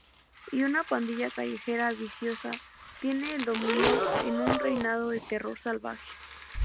Y una pandilla callejera viciosa tiene el dominio en un reinado de terror salvaje.